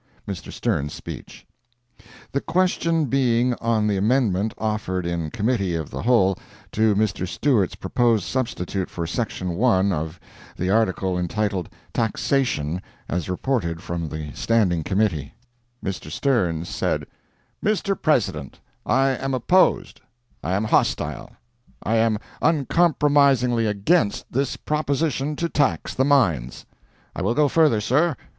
MR. STERNS SPEECH The question being on the amendment offered in Committee of the Whole, to Mr. Stewart's proposed substitute for Section 1 of the Article entitled "Taxation," as reported from the Standing Committee: Mr. STERNS said—Mr. President, I am opposed, I am hostile, I am uncompromisingly against this proposition to tax the mines. I will go further, sir.